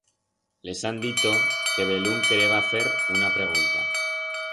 Les han dito que belún quereba fer una pregunta.